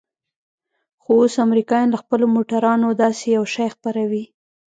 خو اوس امريکايان له خپلو موټرانو داسې يو شى خپروي.